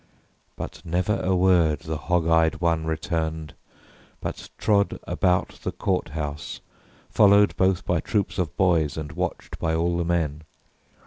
But never a word the hog eyed one returned But trod about the court house, followed both By troops of boys and watched by all the men.